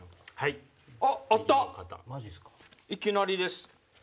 いきなりです。